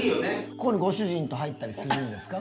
ここにご主人と入ったりするんですか？